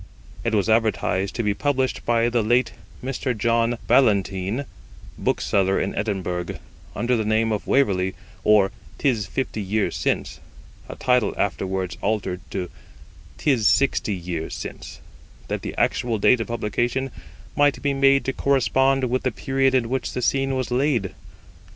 It was advertised to be published by the late Mr. John Ballantyne, bookseller in Edinburgh, under the name of Waverley; or, 'Tis Fifty Years Since a title afterwards altered to 'Tis Sixty Years Since, that the actual date of publication might be made to correspond with the period in which the scene was laid.